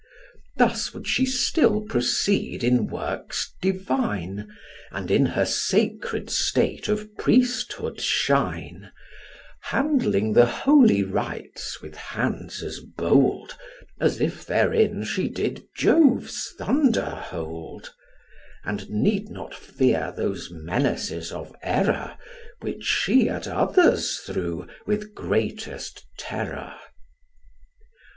Thus would she still proceed in works divine, And in her sacred state of priesthood shine, Handling the holy rites with hands as bold, As if therein she did Jove's thunder hold, And need not fear those menaces of error, Which she at others threw with greatest terror.